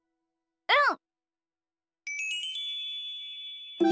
うん！